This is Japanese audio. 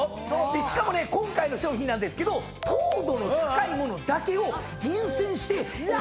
しかもね今回の賞品なんですけど糖度の高い物だけを厳選してお送りしますんで。